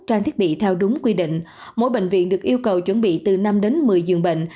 trang thiết bị theo đúng quy định mỗi bệnh viện được yêu cầu chuẩn bị từ năm đến một mươi giường bệnh